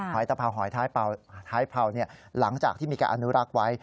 ตะเพราหอยท้ายเผาหลังจากที่มีการอนุรักษ์ไว้